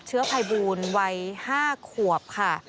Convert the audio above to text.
เชื้อภัยบูลวัย๕ขวบค่ะ